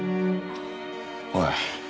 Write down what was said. おい。